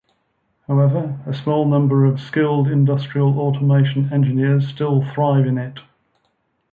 However a small number of skilled industrial automation engineers still thrive in it.